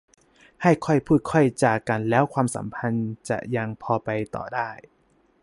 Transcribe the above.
ให้ค่อยพูดค่อยจากันแล้วความสัมพันธ์จะยังพอไปต่อได้